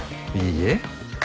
いいえ。